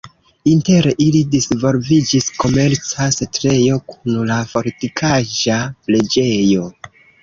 Inter ili disvolviĝis komerca setlejo kun la fortikaĵa preĝejo.